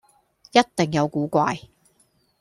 一定有古怪